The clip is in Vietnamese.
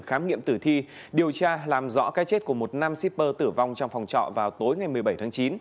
khám nghiệm tử thi điều tra làm rõ cái chết của một nam shipper tử vong trong phòng trọ vào tối ngày một mươi bảy tháng chín